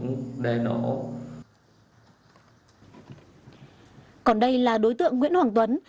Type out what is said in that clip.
còn đây là đối tượng nguyễn hoàng tuấn vừa bị phòng cảnh sát hình sự công an tỉnh đắk lạc